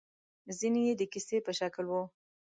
ځينې يې د کيسې په شکل وو.